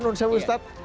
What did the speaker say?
menurut saya ustaz